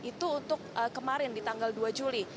itu untuk kemarin di tanggal dua juli